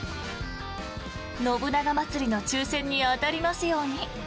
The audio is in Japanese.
信長まつりの抽選に当たりますように。